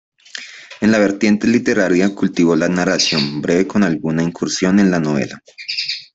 En la vertiente literaria, cultivó la narración breve con alguna incursión en la novela.